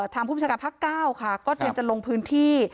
ผู้บัญชาการภาค๙ค่ะก็เตรียมจะลงพื้นที่